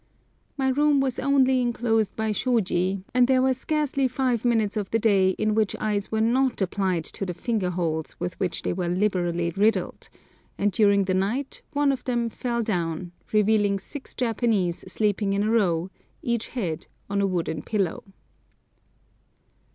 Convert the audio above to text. My room was only enclosed by shôji, and there were scarcely five minutes of the day in which eyes were not applied to the finger holes with which they were liberally riddled; and during the night one of them fell down, revealing six Japanese sleeping in a row, each head on a wooden pillow.